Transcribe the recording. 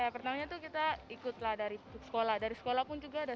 sehingga dia terpilih menjadi pemburu bandara pusaka di istana perdeka